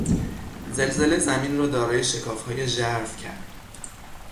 زلزله زمین را دارای شکافهای ژرف کرد.